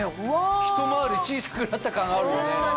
一回り小さくなった感あるよね。